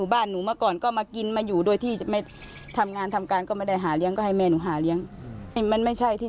คุณบอกว่าคือตามตั้งแต่ที่แกไปจอดซื้อของซื้ออะไรอย่างนี้